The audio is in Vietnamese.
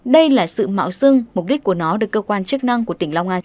đây là sự mạo sưng mục đích của nó được cơ quan chức năng của tỉnh long an